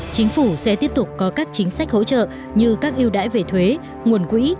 chính phủ sẽ tiếp tục có các chính sách hỗ trợ như các yêu đãi về thuế nguồn quỹ